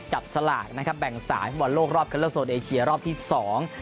จับสลากนะครับแบ่งสายสมบันโลกรอบเกิดและโซ่นไอเชียรอบที่สอง